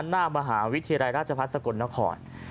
หน้ามหาวิทยายรรยาชภัทรสกลนคร